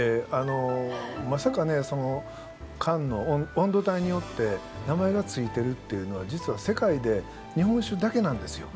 まさか燗の温度帯によって名前が付いてるっていうのは実は世界で日本酒だけなんですよ。